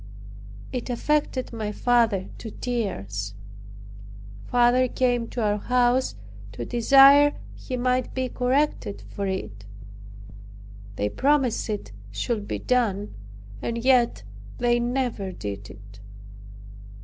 It affected my father to tears. Father came to our house to desire he might be corrected for it. They promised it should be done, and yet they never did it.